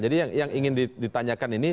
jadi yang ingin ditanyakan ini